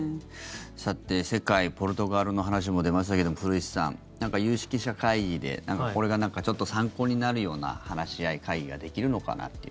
さて、世界ポルトガルの話も出ましたけども古市さん、有識者会議でこれがなんかちょっと参考になるような話し合い、会議ができるのかなって。